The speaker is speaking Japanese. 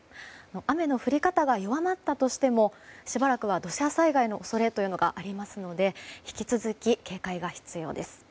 雨の降り方が弱まったとしてもしばらくは土砂災害の恐れがありますので引き続き警戒が必要です。